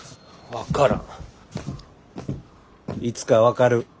いつか分かる。